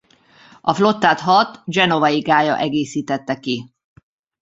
A flottát hat genovai gálya egészítette ki.